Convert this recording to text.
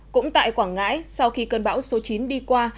cũng tại quảng ngãi sau khi cơn bão số chín đi qua